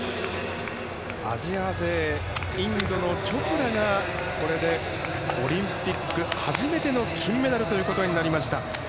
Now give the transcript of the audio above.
アジア勢インドのチョプラがこれでオリンピック初めての金メダルとなりました。